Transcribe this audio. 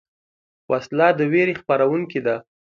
وسله د ویرې خپرونکې ده